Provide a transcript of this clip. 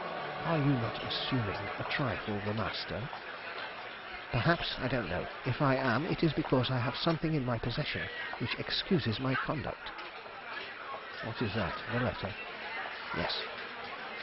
"Are you not assuming a trifle the master?" "Perhaps; I don't know. If I am, it is because I have something in my possession which excuses my conduct." "What is that? the letter?" "Yes."